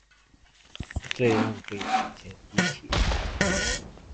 這樣跟以前比起來